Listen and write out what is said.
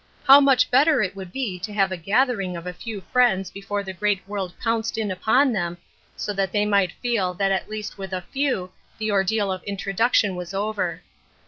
Ho^ much better it would be to have a gathering of a few friends before the great world pounced in upon them, so they might feel that at least with a few the ordeal of introduction was over.